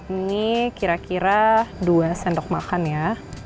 ini kira kira dua sendok makan ya